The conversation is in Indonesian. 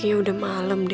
aduh aku mau nyantai